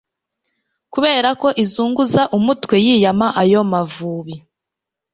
kubera ko izunguza umutwe yiyama ayo mavubi.